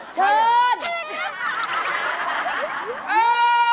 เชิญ